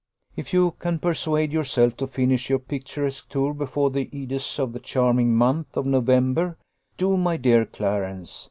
"If you can persuade yourself to finish your picturesque tour before the ides of the charming month of November, do, my dear Clarence!